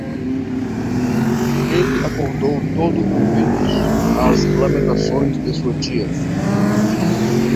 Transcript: Ele acordou todo ouvidos às lamentações de sua tia